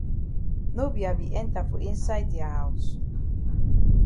No be I be enter for inside dia haus.